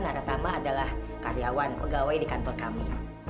naratama adalah karyawan pegawai di kantor kami